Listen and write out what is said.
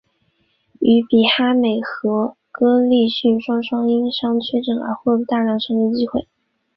于比哈美和哥利逊双双因伤缺阵而取得大量上阵机会。